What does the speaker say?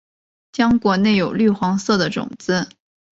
浆果内有绿黄色的种子。